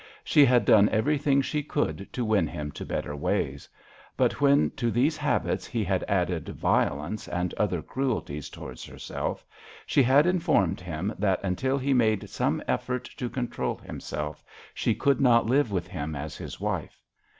She had done everything she could to win him to better ways. But when to these habits he had added violence and other cruelties towards herself, she had informed him that until he made some effort to control himself she could not live with him as his wife.